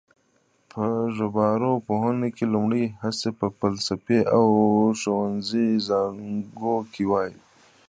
په ژبارواپوهنه کې لومړنۍ هڅې په فلسفي او ښوونیزو څانګو کې وې